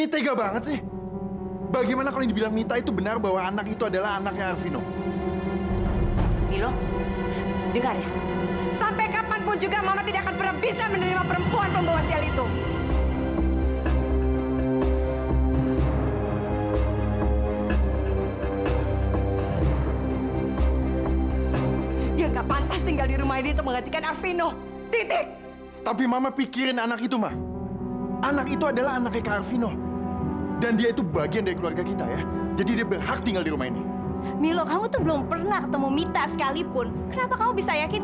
tidak ada sedikit untuk mbak mudah mudahan cukup untuk mbak beli makan